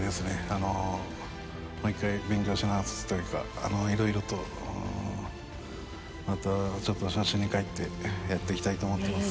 あのもう１回勉強し直すというかあのいろいろとまたちょっと初心にかえってやっていきたいと思っています。